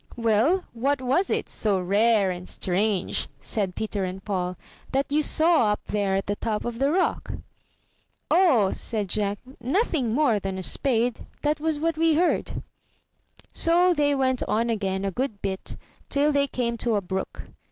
"Well, what was it, so rare and strange," said Peter and Paul, "that you saw up there at the top of the rock?" "Oh," said Jack, "nothing more than a spade; 240 UP ONE PAIR OF STAIRS that was what we heard/' So they went on again a good bit, till they came to a brook.